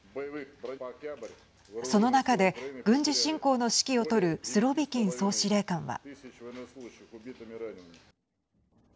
その中で軍事侵攻の指揮を執るスロビキン総司令官は。